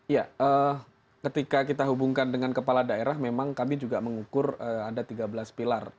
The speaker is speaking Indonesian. ya ketika kita hubungkan dengan kepala daerah memang kami juga mengukur ada tiga belas pilar